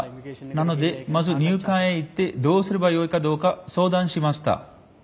なのでまず入管へ行ってどうすればよいかどうか相談しました。